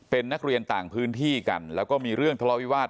เป็นนักเรียนต่างพื้นที่กันแล้วก็มีเรื่องทะเลาวิวาส